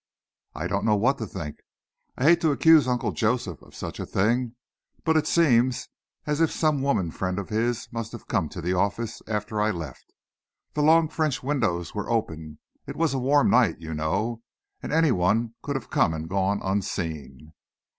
"I don't know what to think. I hate to accuse Uncle Joseph of such a thing, but it seems as if some woman friend of his must have come to the office after I left. The long French windows were open it was a warm night, you know and any one could have come and gone unseen."